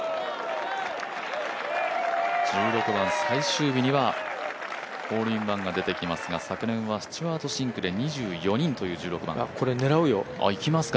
１６番、最終日にはホールインワンが出てきますが昨年はスチュワート・シンクで２４人という１６番。いきますか？